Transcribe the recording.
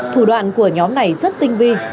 thủ đoạn của nhóm này rất tinh vi